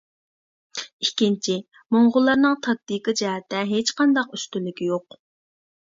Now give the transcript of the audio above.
ئىككىنچى، موڭغۇللارنىڭ تاكتىكا جەھەتتە ھېچقانداق ئۈستۈنلۈكى يوق.